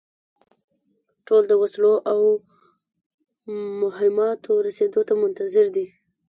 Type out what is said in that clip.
ټول د وسلو او مهماتو رسېدلو ته منتظر دي.